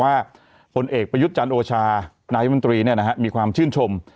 ว่าคนเอกประยุทธ์จันทร์โอชานายมันตรีเนี่ยนะฮะมีความชื่นชม